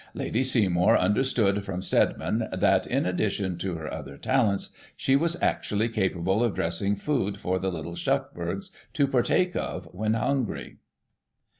Lady Seymour xmderstood from Stedman that, in addition to her other talents, she was actually capable of dressing food for the little Shuckburghs to partake of, when hungry."